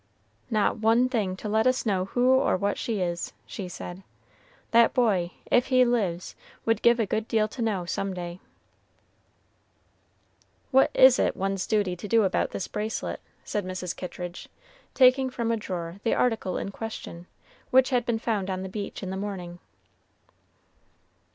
"Not one thing to let us know who or what she is," she said; "that boy, if he lives, would give a good deal to know, some day." "What is it one's duty to do about this bracelet?" said Mrs. Kittridge, taking from a drawer the article in question, which had been found on the beach in the morning.